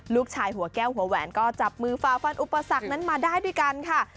หัวแก้วหัวแหวนก็จับมือฝ่าฟันอุปสรรคนั้นมาได้ด้วยกันค่ะ